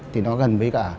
thì nó gần với cả